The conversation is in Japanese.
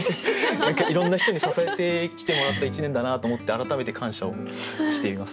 何かいろんな人に支えてきてもらった一年だなと思って改めて感謝をしています。